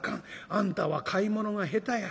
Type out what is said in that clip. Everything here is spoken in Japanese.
あんたは買い物が下手や』。